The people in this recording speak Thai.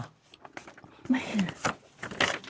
ไม่เห็น